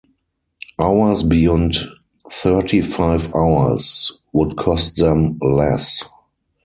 Hours beyond thirty-five hours would cost them less.